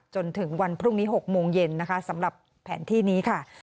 จนถึงวันพรุ่งนี้๖โมงเย็นนะคะสำหรับแผนที่นี้ค่ะ